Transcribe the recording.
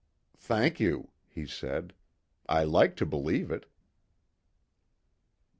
"Thank you," he said. "I like to believe it."